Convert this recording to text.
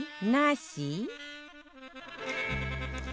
なし？